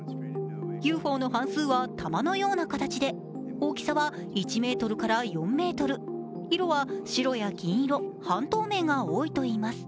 ＵＦＯの半数は球のような形で大きさは１ｍから４ｍ、色は白や銀色、半透明が多いといいます。